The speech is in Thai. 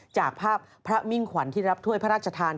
จากภาพพระมิ่งขวัญที่รับถ้วยพระราชทาน